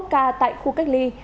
hai mươi một ca tại khu cách bệnh